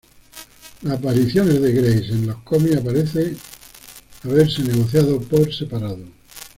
Las apariciones de Grace en los cómics parecen haberse negociado por separado.